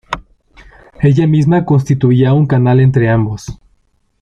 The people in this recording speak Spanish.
Ella misma constituía un canal entre ambos.